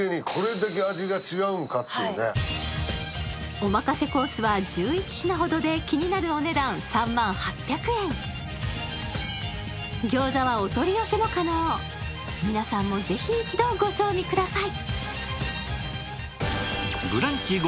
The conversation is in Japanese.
おかませコースは１１品ほどで気になるお値段餃子はお取り寄せも可能皆さんもぜひ一度ご賞味ください